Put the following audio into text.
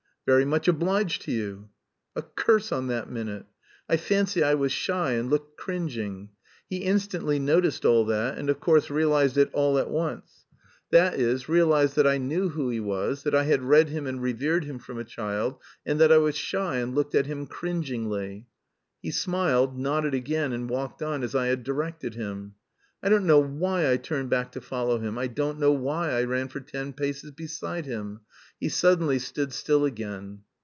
"Very much obliged to you." A curse on that minute! I fancy I was shy, and looked cringing. He instantly noticed all that, and of course realised it all at once; that is, realised that I knew who he was, that I had read him and revered him from a child, and that I was shy and looked at him cringingly. He smiled, nodded again, and walked on as I had directed him. I don't know why I turned back to follow him; I don't know why I ran for ten paces beside him. He suddenly stood still again.